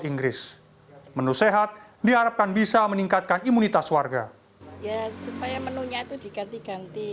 inggris menu sehat diharapkan bisa meningkatkan imunitas warga ya supaya menunya itu diganti ganti